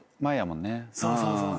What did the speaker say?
そうそうそう。